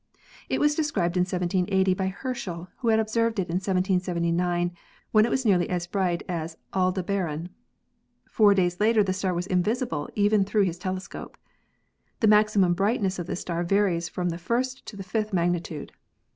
It was described in 1780 by Herschel, who had observed it in 1779, when it was nearly as bright as Aldebaran. Four days later the star was invisible even through his telescope. The maximum brightness of this star varies from the first to the fifth magnitude.